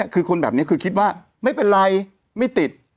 คือคนแบบนี้คือคิดว่าไม่เป็นไรไม่ติด